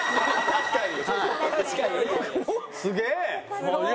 確かにね。